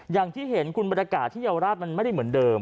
อย่างที่เห็นคุณบรรยากาศที่เยาวราชมันไม่ได้เหมือนเดิม